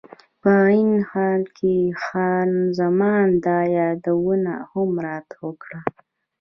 په عین حال کې خان زمان دا یادونه هم راته وکړه.